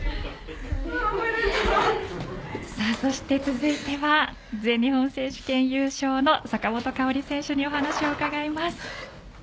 そして、続いては全日本選手権優勝の坂本花織選手にお話を伺います。